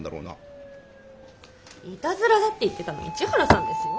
イタズラだって言ってたの市原さんですよ。